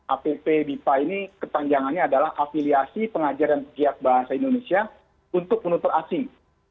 app bipa ini ketanjangannya adalah afiliasi pengajaran setia bahasa indonesia untuk penutup asing